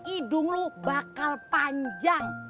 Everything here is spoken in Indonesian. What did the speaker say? idung lu bakal panjang